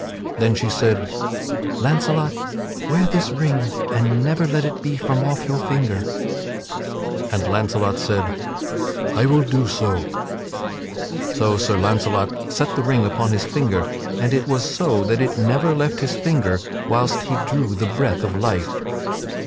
Then she said: "Launcelot, wear this ring and never let it be from off your finger." And Launcelot said: "I will do so." So Sir Launcelot set the ring upon his finger and it was so that it never left his finger whilst he drew the breath of life.